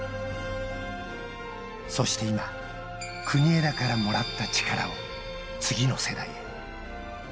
そして今、国枝からもらった力を、次の世代へ。